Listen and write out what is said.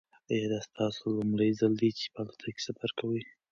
ایا دا ستاسو لومړی ځل دی چې په الوتکه کې سفر کوئ؟